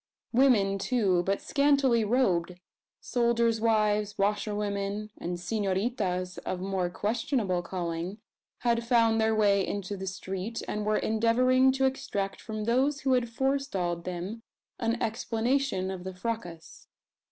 Women, too, but scantily robed soldiers' wives, washerwomen, and "senoritas" of more questionable calling had found their way into the street, and were endeavouring to extract from those who had forestalled them an explanation of the fracas.